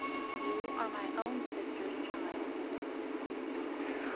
"YOU ARE MY OWN SISTER'S CHILD."